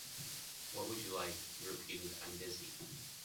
What would you like? he repeated; I am busy.